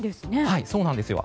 はい、そうなんですよ。